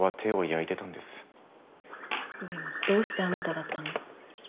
でもどうしてあなただったの？